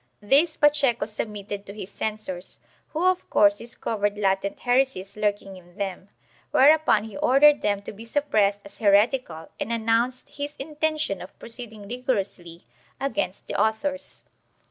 These Pacheco submitted to his censors, who of course discovered latent heresies lurking in them, whereupon he ordered them to be suppressed as heretical and announced his intention of proceeding rigorously against the authors.